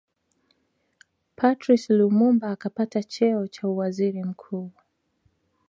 Patrice Lumumba akapata cheo cha uwaziri mkuu